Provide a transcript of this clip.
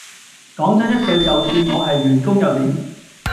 講真一句就算我係員工又點